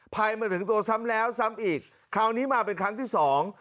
ภัยมาถึงตัวซ้ำแล้วซ้ำอีกคราวนี้มาเป็นครั้งที่สอง